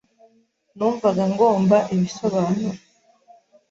Numvaga ngomba ibisobanuro.